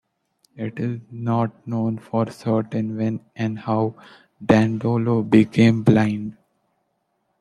It is not known for certain when and how Dandolo became blind.